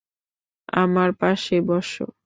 আমার পাশে বস।